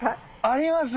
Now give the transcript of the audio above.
あります。